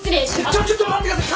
ちょっちょっと待ってください